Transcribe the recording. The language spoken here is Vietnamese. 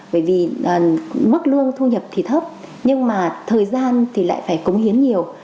bởi vì mức lương thu nhập thì thấp nhưng mà thời gian thì lại phải cống hiến nhiều